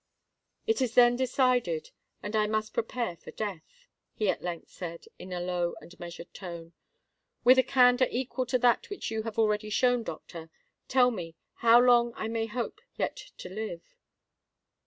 "It is then decided—and I must prepare for death!" he at length said, in a low and measured tone. "With a candour equal to that which you have already shown, doctor, tell me how long I may hope yet to live?"